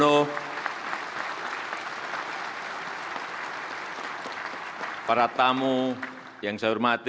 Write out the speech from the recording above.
dan tentu saja para tamu yang saya hormati